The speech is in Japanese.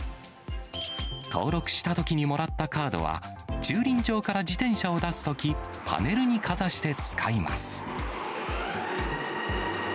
登録したときにもらったカードは、駐輪場から自転車を出すとき、パネルにかざして使います。